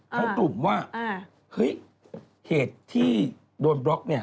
กลุ่มว่าเฮ้ยเหตุที่โดนบล็อกเนี่ย